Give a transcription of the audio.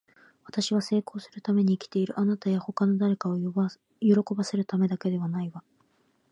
私は成功するために生きている。あなたや他の誰かを喜ばせるためではないわ。